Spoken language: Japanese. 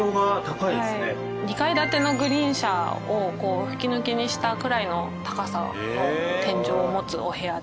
２階建てのグリーン車を吹き抜けにしたくらいの高さの天井を持つお部屋です。